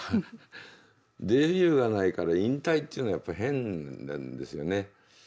デビューがないから引退っていうのはやっぱり変なんですよね。